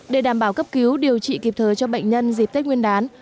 để đảm bảo cấp cứu điều trị kịp thời cho bệnh nhân dịp tết nguyên đán